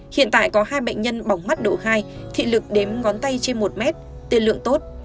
hiện tại có hai bệnh nhân bỏng mắt độ hai thị lực đếm ngón tay trên một mét tiên lượng tốt